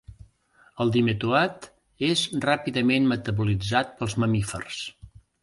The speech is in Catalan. El Dimetoat és ràpidament metabolitzat pels mamífers.